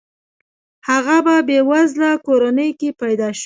هغه په بې وزله کورنۍ کې پیدا شوی.